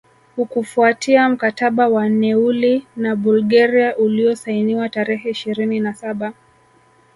Ukafuatia mkataba wa Neuilly na Bulgaria uliosainiwa tarehe ishirini na saba